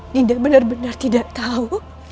tidak benar benar tidak tahu